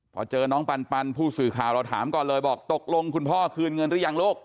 พอเจอน้องปันผู้สื่อข่าวเราถามก่อนเลยบอกตกลงคุณพ่อคืนเงินหรือยังลูก